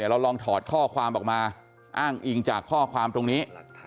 เราลองถอดข้อความออกมาอ้างอิงจากข้อความตรงนี้